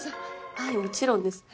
はいもちろんです。